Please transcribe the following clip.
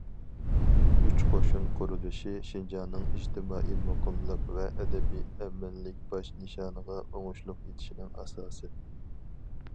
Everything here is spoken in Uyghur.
« ئۈچ قوشۇن» قۇرۇلۇشى شىنجاڭنىڭ ئىجتىمائىي مۇقىملىق ۋە ئەبەدىي ئەمىنلىك باش نىشانىغا ئوڭۇشلۇق يېتىشىنىڭ ئاساسى.